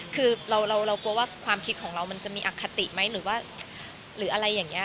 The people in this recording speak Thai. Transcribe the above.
คือเรากลัวว่าความคิดของเรามันจะมีอคติไหมหรือว่าหรืออะไรอย่างนี้